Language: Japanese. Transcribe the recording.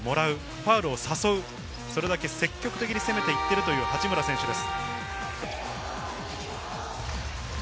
ファウルを誘う、それだけ積極的に攻めていっているという八村選手です。